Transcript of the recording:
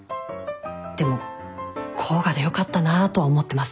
でも甲賀でよかったなとは思ってます。